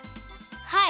はい！